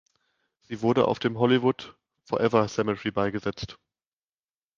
Sie wurde auf dem Hollywood Forever Cemetery beigesetzt.